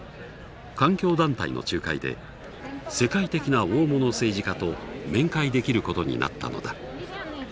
環境団体の仲介で世界的な大物政治家と面会できることになったのだ。